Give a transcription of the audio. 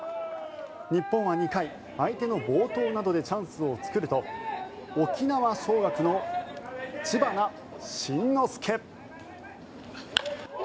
日本は２回、相手の暴投などでチャンスを作ると沖縄尚学の知花慎之助。